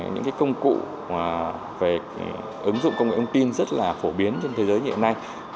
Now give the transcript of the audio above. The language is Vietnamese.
những công cụ về ứng dụng công nghệ thông tin rất là phổ biến trên thế giới hiện nay